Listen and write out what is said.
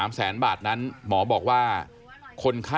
ร้องร้องร้อง